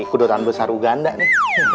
kudotan besar uganda nih